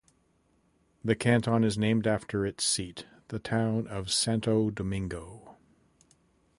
The canton is named after its seat, the town of Santo Domingo.